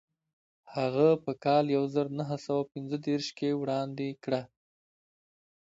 هغه په کال یو زر نهه سوه پنځه دېرش کې وړاندې کړه.